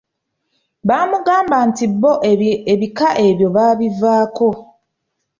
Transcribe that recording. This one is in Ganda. Baamugamba nti bo ebika ebyo baabivaako.